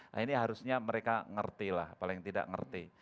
nah ini harusnya mereka ngerti lah paling tidak ngerti